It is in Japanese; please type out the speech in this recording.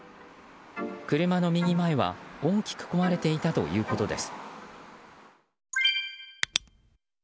車の右前は大きく壊れていたということです。